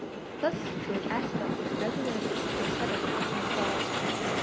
Thus George Aspel was regularly, though suddenly, installed.